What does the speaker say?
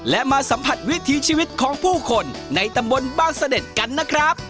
และมาสัมผัสวิถีชีวิตของผู้คนในตำบลบ้านเสด็จกันนะครับ